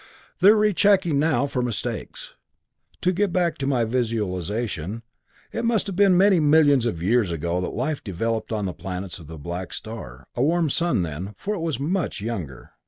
They're rechecking now for mistakes. "To get back to my visualization It must have been many millions of years ago that life developed on the planets of the black star, a warm sun then, for it was much younger.